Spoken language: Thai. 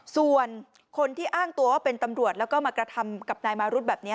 ส่วนคนที่อ้างตัวว่าเป็นตำรวจแล้วก็มากระทำกับนายมารุธแบบนี้